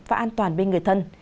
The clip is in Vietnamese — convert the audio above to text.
và an toàn bên người thân